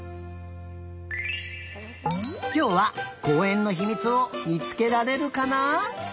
きょうはこうえんのひみつをみつけられるかな？